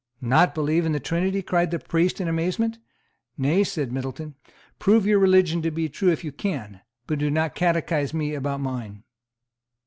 "Not believe in the Trinity!" cried the priest in amazement. "Nay," said Middleton; "prove your religion to be true if you can; but do not catechize me about mine."